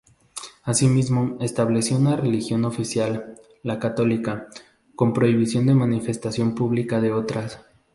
Asimismo, establecía una religión oficial, la católica, con prohibición de manifestación pública de otras.